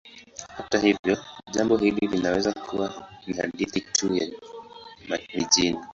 Hata hivyo, jambo hili linaweza kuwa ni hadithi tu ya mijini.